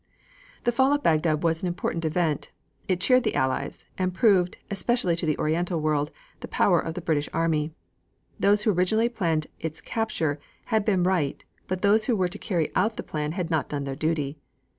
The fall of Bagdad was an important event. It cheered the Allies, and proved, especially to the Oriental world, the power of the British army. Those who originally planned its capture had been right, but those who were to carry out the plan had not done their duty.